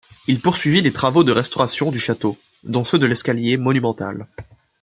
Il poursuivit les travaux de restauration du château, dont ceux de l'escalier monumental.